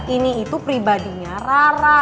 ini itu pribadinya rara